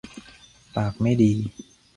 ปากไม่ดี